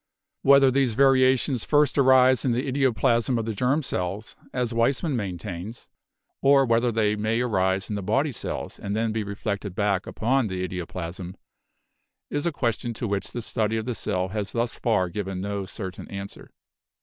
Whether these variations first arise in the idioplasm of the germ cells, as Weismann maintains, or whether they may arise in the body cells and then be reflected back upon the idioplasm, is a question to which the study of the cell has thus far given no certain answer.